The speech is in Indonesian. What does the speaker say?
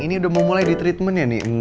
ini udah mau mulai di treatmentnya nih